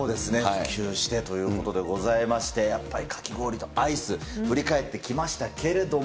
普及してということでございまして、やっぱりかき氷とアイス、振り返ってきましたけれども。